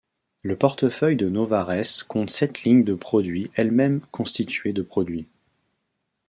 Le portefeuille de Novares compte sept lignes de produit elles-mêmes constituées de produits.